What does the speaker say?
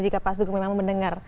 jika pak sugeng memang mendengar